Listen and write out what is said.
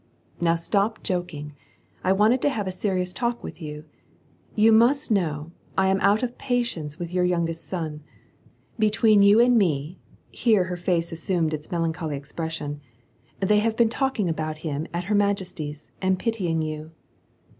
"Now stop joking. I wanted to have a serious talk with yon. You must know, I am out of patience with your young est son. Between you and me (here her face assumed its mel ancholj expression), they have oeen talking about him at her majesty's, and pitying you."